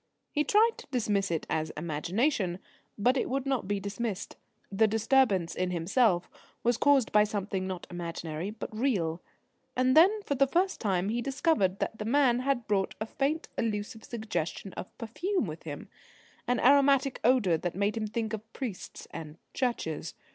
He tried to dismiss it as imagination, but it would not be dismissed. The disturbance in himself was caused by something not imaginary, but real. And then, for the first time, he discovered that the man had brought a faint, elusive suggestion of perfume with him, an aromatic odour, that made him think of priests and churches.